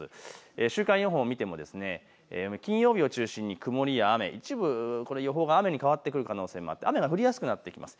週間予報を見ても金曜日を中心に曇りや雨、一部、予報が雨に変わってくる可能性があって雨に変わりやすくなってきます。